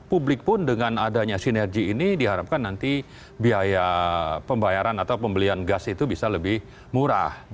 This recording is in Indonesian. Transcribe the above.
publik pun dengan adanya sinergi ini diharapkan nanti biaya pembayaran atau pembelian gas itu bisa lebih murah